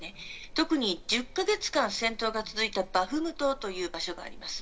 特に１０か月間、戦闘が続いたバフムトという場所があります。